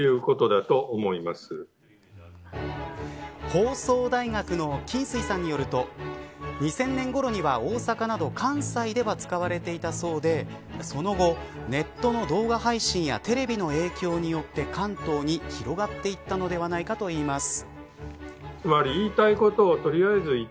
放送大学の金水さんによると２０００年ごろには大阪など関西では使われていたそうでその後、ネットの動画配信やテレビの影響によって関東に広がっていったのではないかといいます。